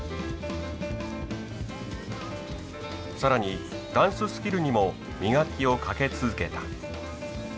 更にダンススキルにも磨きをかけ続けた。